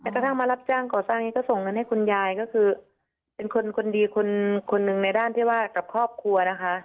กระทั่งมารับจ้างก่อสร้างนี้ก็ส่งเงินให้คุณยายก็คือเป็นคนคนดีคนหนึ่งในด้านที่ว่ากับครอบครัวนะคะ